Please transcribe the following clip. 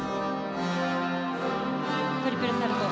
トリプルサルコウ。